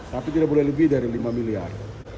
tapi tidak boleh lebih dari lima miliar